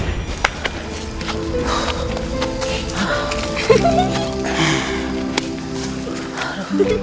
telah aku hancurkan